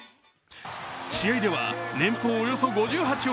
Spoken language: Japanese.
試合では年俸およろ５８億